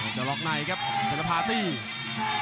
เด้นล็อคในครับเด้นระภาปื้น